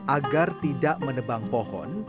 agar tidak menebang pohon